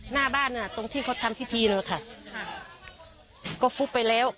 หน้าบ้านอ่ะตรงที่เขาทำพิธีนั่นแหละค่ะก็ฟุบไปแล้ว